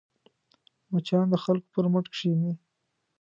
مچان د خلکو پر مټ کښېني